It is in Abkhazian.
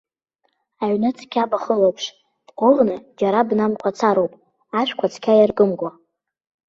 Аҩны цқьа бахылаԥш, бгәыӷны џьара бнамқәацароуп, ашәқәа цқьа иаркымкәа.